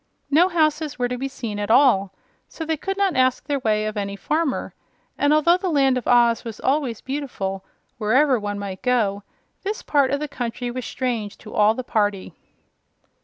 No houses were to be seen at all, so they could not ask their way of any farmer; and although the Land of Oz was always beautiful, wherever one might go, this part of the country was strange to all the party.